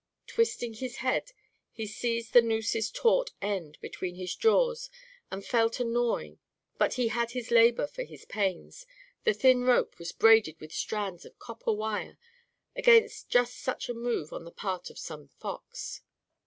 Twisting his head, he seized the noose's taut end between his jaws and fell to gnawing. But he had his labour for his pains. The thin rope was braided with strands of copper wire, against just such a move on the part of some fox.